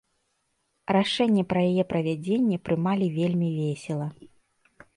Рашэнне пра яе правядзенне прымалі вельмі весела.